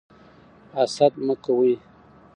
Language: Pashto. حسد مه کوئ.